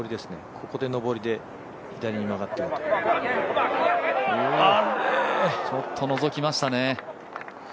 ここで上りで左に曲がっていると、あれちょっとのぞきましたね。